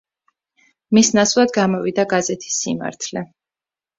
მის ნაცვლად გამოვიდა გაზეთი „სიმართლე“.